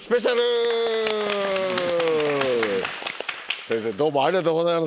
先生どうもありがとうございます。